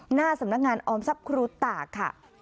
หน้าสำนักงานออมทรัพย์ครูตากค่ะ